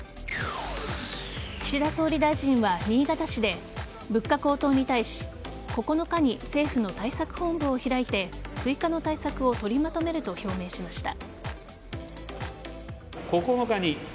岸田総理大臣は、新潟市で物価高騰に対し９日に政府の対策本部を開いて追加の対策を取りまとめると表明しました。